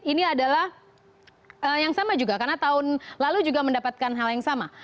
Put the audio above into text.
ini adalah yang sama juga karena tahun lalu juga mendapatkan hal yang sama